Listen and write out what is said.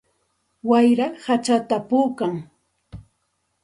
Wayra hachata puukan.